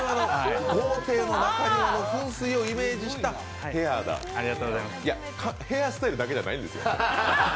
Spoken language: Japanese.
豪邸の中庭の噴水をイメージしたヘアだヘアスタイルだけじゃないんですよね。